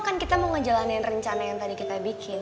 kan kita mau ngejalanin rencana yang tadi kita bikin